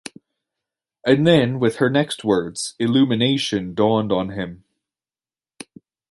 And then, with her next words, illumination dawned on him.